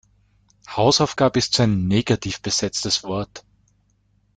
Hausaufgabe ist so ein negativ besetztes Wort.